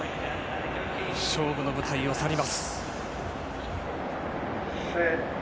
勝負の舞台を去ります。